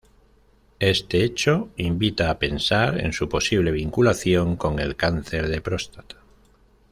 Este hecho invita a pensar en su posible vinculación con el cáncer de próstata.